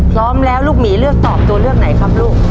พร้อมแล้วลูกหมีเลือกตอบตัวเลือกไหนครับลูก